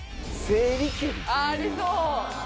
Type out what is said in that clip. ありそう。